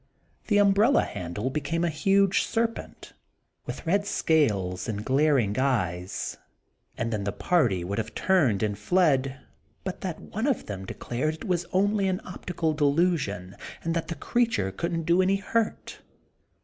The umbrella handle became a huge serpent, with red scales and glaring eyes; and then the party would have turned and fled, but that one of them declared it was only an optical delusion, and that the creature couldn't do any hurt.